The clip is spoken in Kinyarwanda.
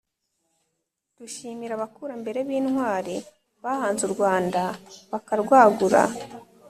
dushimira abakurambere b'intwari bahanze u rwanda, bakarwagura